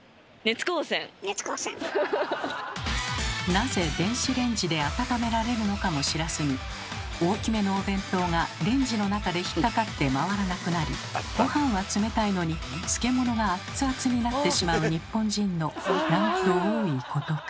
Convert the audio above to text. なぜ電子レンジで温められるのかも知らずに大きめのお弁当がレンジの中で引っ掛かって回らなくなり御飯は冷たいのに漬け物がアッツアツになってしまう日本人のなんと多いことか。